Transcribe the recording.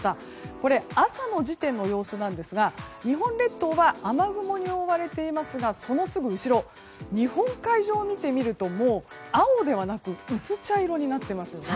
これ、朝の時点の様子なんですが日本列島は雨雲に覆われていますがそのすぐ後ろ日本海上を見てみると青ではなく薄茶色になっていますね。